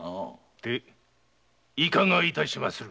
でいかがいたしまする？